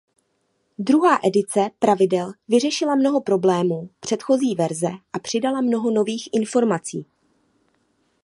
Druhá edice pravidel vyřešila mnoho problémů předchozí verze a přidala mnoho nových informací.